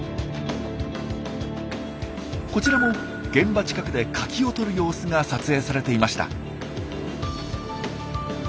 こちらも現場近くでカキをとる様子が撮影されていました。